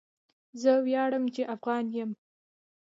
زه ویاړم چی افغان يم